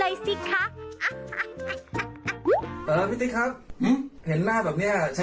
เอาไว้ทำอะไรนะครับไว้วัดใจ